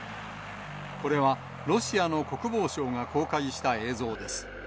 これは、ロシアの国防省が公開した映像です。